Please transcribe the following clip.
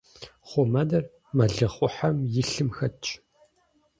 Хъумэныр мэлыхъуэхьэм и лъым хэтщ.